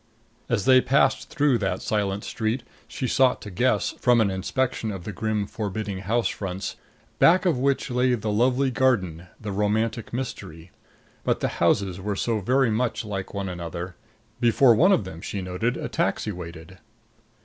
As they passed through that silent Street she sought to guess, from an inspection of the grim forbidding house fronts, back of which lay the lovely garden, the romantic mystery. But the houses were so very much like one another. Before one of them, she noted, a taxi waited.